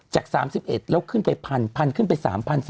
จาก๓๑แล้วขึ้นไปพันพันขึ้นไป๓พัน